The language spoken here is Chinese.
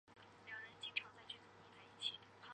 刺盖草为菊科蓟属下的一个种。